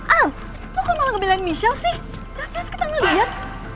al lu kok malah ngebelain michelle sih cepet cepet kita ngeliat